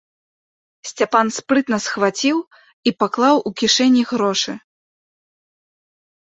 Сцяпан спрытна схваціў і паклаў у кішэні грошы.